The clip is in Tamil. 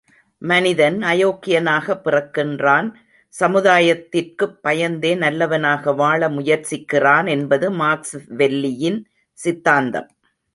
மனிதன் அயோக்கியனாகப் பிறக்கின்றான் சமுதாயத்திற்குப் பயந்தே நல்லவனாக வாழ முயற்சிக்கிறான் என்பது மாக்ஸ் வெல்லியின் சித்தாந்தம்.